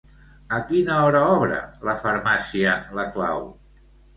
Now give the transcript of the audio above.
A quina hora obre la Farmàcia La Clau?